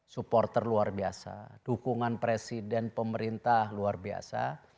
supporter luar biasa dukungan presiden pemerintah luar biasa